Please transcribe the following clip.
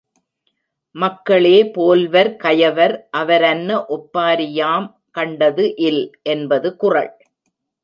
மக்களே போல்வர் கயவர் அவரன்ன ஒப்பாரி யாம் கண்டது இல் என்பது குறள்.